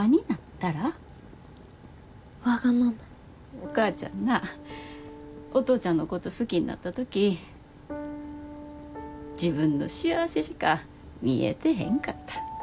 お母ちゃんなお父ちゃんのこと好きになった時自分の幸せしか見えてへんかった。